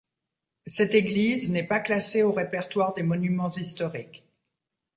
Cette église n'est pas classée au répertoire des monuments historiques.